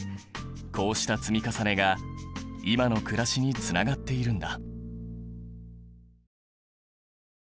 こうした積み重ねが今の暮らしにつながっているんだ。